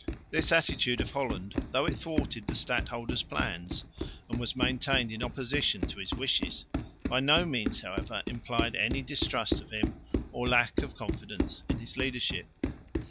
This attitude of Holland, though it thwarted the stadholder's plans and was maintained in opposition to his wishes, by no means however implied any distrust of him or lack of confidence in his leadership.